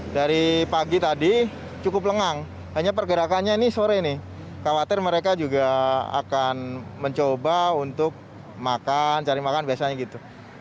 dari pagi tadi cukup lengang hanya pergerakannya ini sore nih khawatir mereka juga akan mencoba untuk makan cari makan biasanya gitu